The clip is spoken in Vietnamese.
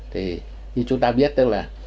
thì như chúng ta biết tức là